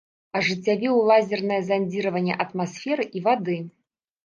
Ажыццявіў лазернае зандзіраванне атмасферы і вады.